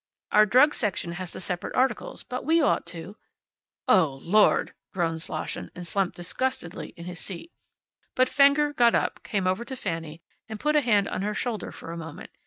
Our drug section has the separate articles, but we ought to " "Oh, lord!" groaned Slosson, and slumped disgustedly in his seat. But Fenger got up, came over to Fanny, and put a hand on her shoulder for a moment.